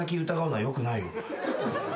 はい。